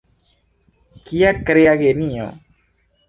Kia krea genio!